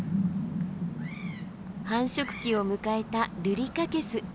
繁殖期を迎えたルリカケス。